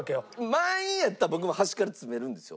満員やったら僕も端から詰めるんですよ